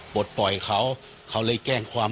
ปลดปล่อยเขาเขาเลยแจ้งความ